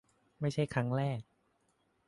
ไม่ใช่ครั้งแรก